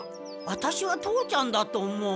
ワタシは父ちゃんだと思う。